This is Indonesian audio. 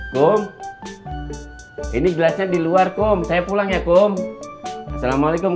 dong ini gelasnya diluar kom saya pulang ya kum assalamualaikum